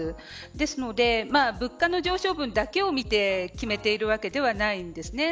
ですので物価の上昇分だけを見て決めているわけではないんです。